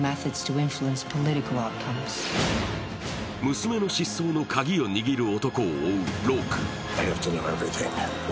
娘の失踪のカギを握る男を追うローク。